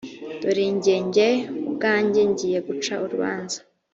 dore jye jye ubwanjye ngiye guca urubanza